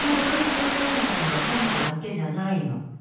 商店街の店舗だけじゃないの。